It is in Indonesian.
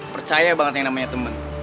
percaya banget yang namanya temen